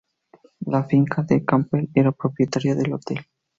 La finca de Campbell era propietaria del Hotel St.